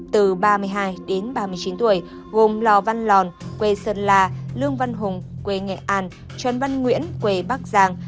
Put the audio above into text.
từ ba mươi hai đến ba mươi chín tuổi gồm lò văn lòn quê sơn la lương văn hùng quê nghệ an trần văn nguyễn quê bắc giang